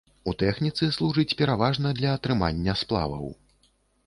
У тэхніцы служыць пераважна для атрымання сплаваў.